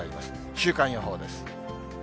週間予報です。